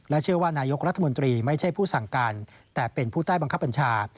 เชื่อว่านายกรัฐมนตรีไม่ใช่ผู้สั่งการแต่เป็นผู้ใต้บังคับบัญชา